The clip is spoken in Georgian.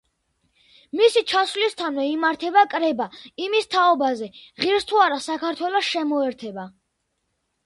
მისი ჩასვლისთანავე იმართება კრება იმის თაობაზე ღირს თუ არა საქართველოს შემოერთება.